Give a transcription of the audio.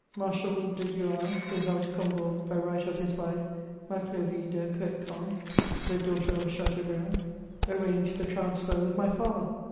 Marshal de Duras, who held Combourg by right of his wife, Madovie de Coetquen (the daughter of a Chateau briand) arranged the transfer with my father.